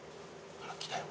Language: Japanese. ほら来たよ。